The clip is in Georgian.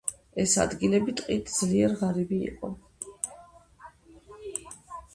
ეს ადგილები ტყით ძლიერ ღარიბი იყო.